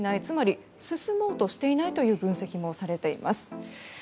つまり進もうとしていないという分析もされています。